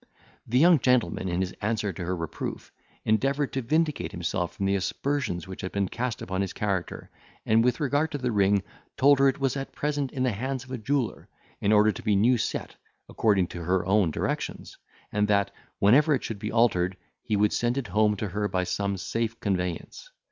The young gentleman, in his answer to her reproof, endeavoured to vindicate himself from the aspersions which had been cast upon his character, and, with regard to the ring, told her it was at present in the hands of a jeweller, in order to be new set according to her own directions, and that, whenever it should be altered, he would send it home to her by some safe conveyance.